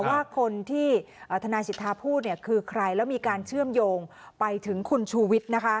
ว่าคนที่ทนายสิทธาพูดคือใครแล้วมีการเชื่อมโยงไปถึงคุณชูวิทย์